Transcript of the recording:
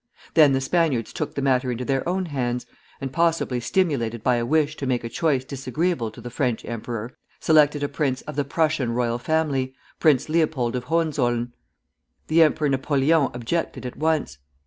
Then the Spaniards took the matter into their own hands, and possibly stimulated by a wish to make a choice disagreeable to the French emperor, selected a prince of the Prussian royal family, Prince Leopold of Hohenzollern. The Emperor Napoleon objected at once.